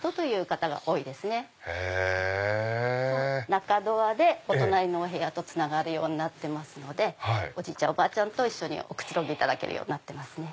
中ドアでお隣のお部屋とつながるようになってますのでおじいちゃんおばあちゃんと一緒におくつろぎいただけます。